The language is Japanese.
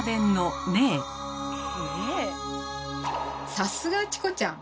さすがチコちゃん！